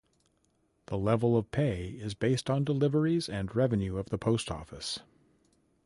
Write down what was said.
The level of pay is based on deliveries and revenue of the post office.